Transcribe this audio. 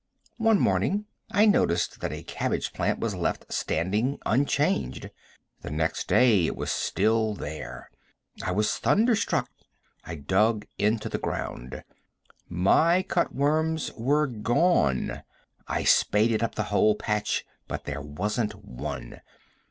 One morning I noticed that a cabbage plant was left standing unchanged. The next day it was still there. I was thunderstruck. I dug into the ground. My cut worms were gone. I spaded up the whole patch, but there wasn't one.